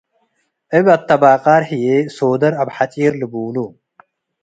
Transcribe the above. እብ አተባቃር ህዬ፡ ሶደር አብ- ሐጪር ልቡሉ ።